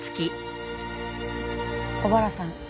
小原さん